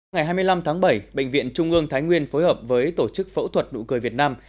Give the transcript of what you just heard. ngày hai mươi năm tháng bảy bệnh viện trung ương thái nguyên phối hợp với tổ chức phẫu thuật đụ cười việt nam